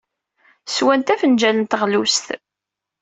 Swant afenjal n teɣlust.